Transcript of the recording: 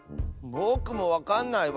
ぼくもわかんない。